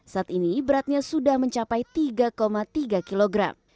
saat ini beratnya sudah mencapai tiga tiga kg